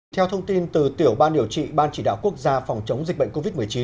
theo thông tin từ tiểu ban điều trị ban chỉ đạo quốc gia phòng chống dịch bệnh covid một mươi chín